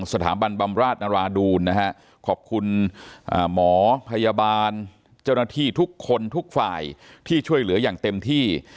บำราชนราดูลนะฮะขอบคุณหมอพยาบาลเจ้าหน้าที่ทุกคนทุกฝ่ายที่ช่วยเหลืออย่างเต็มที่